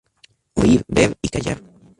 Oír, ver y callar